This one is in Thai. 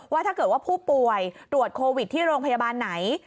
ว่าถ้าเกิดว่าผู้ป่วยตรวจโควิดที่โรงพยาบาลไหน